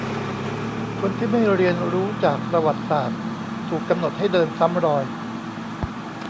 คนที่ไม่เรียนรู้จากประวัติศาสตร์ ถูกกำหนดให้เดินซ้ำรอย